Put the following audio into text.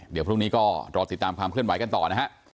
เดี๋ยวพรุ่งนี้ก็รอติดตามความเคลื่อนไหวกันต่อนะฮะ